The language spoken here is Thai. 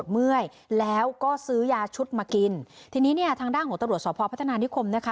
เมื่อยแล้วก็ซื้อยาชุดมากินทีนี้เนี่ยทางด้านของตำรวจสอบพอพัฒนานิคมนะคะ